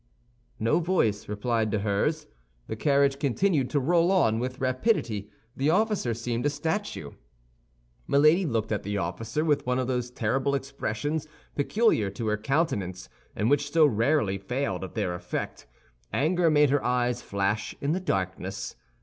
No voice replied to hers; the carriage continued to roll on with rapidity; the officer seemed a statue. Milady looked at the officer with one of those terrible expressions peculiar to her countenance, and which so rarely failed of their effect; anger made her eyes flash in the darkness.